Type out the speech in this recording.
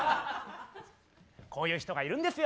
こういう人がいるんですよ。